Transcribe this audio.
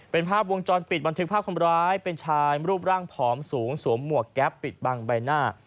เป็นภาพวงจรปิดบันทึกภาพคนร้ายเป็นชายรูปร่างผอมสูงสวมหมวกแก๊ปปิดบังใบหน้า